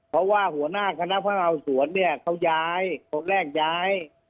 เพราะว่าหัวหน้าคณะพนักงานสวนเนี่ยเขาย้ายคนแรกย้าย